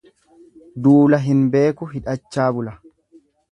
Duula hin beeku hidhachaa bula.